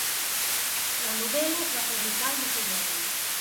La novel·la es va publicar el mateix any.